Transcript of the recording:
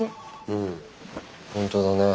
うん本当だね。